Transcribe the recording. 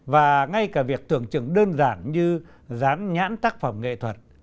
và ngay cả việc tưởng chừng đơn giản như dán nhãn tác phẩm nghệ thuật